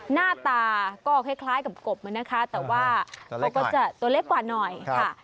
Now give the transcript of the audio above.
หน้าตาก็คล้ายคล้ายกับกบมันนะคะแต่ว่าตัวเล็กกว่าตัวเล็กกว่าหน่อยค่ะ